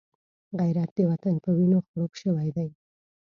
غیرت د وطن په وینو خړوب شوی دی